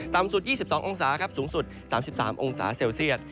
สุด๒๒องศาครับสูงสุด๓๓องศาเซลเซียต